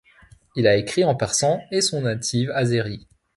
Il a écrit en persan et son native azéri.